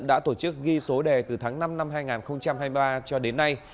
đã tổ chức ghi số đề từ tháng năm năm hai nghìn hai mươi ba cho đến nay